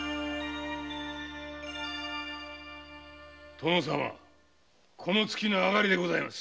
殿様今月のあがりでございます。